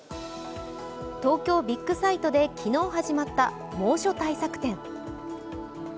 東京ビッグサイトで昨日始まった猛暑対策展。